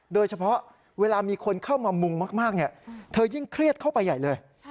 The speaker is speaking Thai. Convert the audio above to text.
เวลามีคนเข้ามามุงมากเธอยิ่งเครียดเข้าไปใหญ่เลย